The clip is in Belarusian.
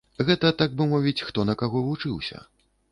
Гэта, так бы мовіць, хто на каго вучыўся.